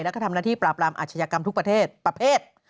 แล้วก็ทำหน้าที่ปราบรามอาชญากรรมทุกประเทศประเภท